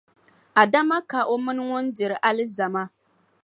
Adama ka o mini ŋun diri alizama.